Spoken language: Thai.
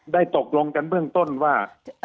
ตกลงกันเบื้องต้นว่า